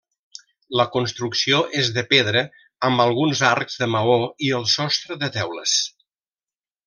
La construcció és de pedra, amb alguns arcs de maó i el sostre de teules.